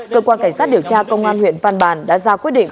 cơ quan cảnh sát điều tra công an huyện văn bàn đã ra quyết định